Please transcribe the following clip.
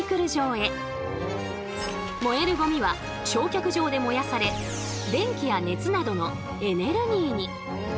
燃えるゴミは焼却場で燃やされ電気や熱などのエネルギーに！